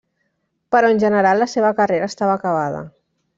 Però en general la seva carrera estava acabada.